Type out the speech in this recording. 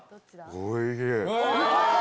おいしい。